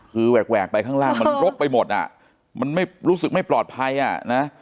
คือแหวกไปข้างล่างมันรกไปหมดอ่ะมันไม่รู้สึกไม่ปลอดภัยอ่ะนะ